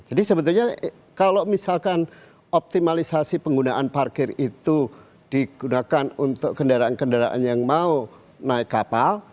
jadi sebetulnya kalau misalkan optimalisasi penggunaan parkir itu digunakan untuk kendaraan kendaraan yang mau naik kapal